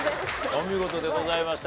お見事でございました。